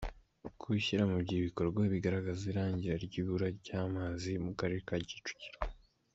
Kuwushyira mu bikorwa bigaragaza irangira ry’ibura ry’amazi mu karere ka Kicukiro.